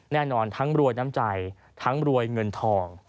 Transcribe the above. แน่นอนทั้งรวยน้ำใจทั้งรวยเงินทอง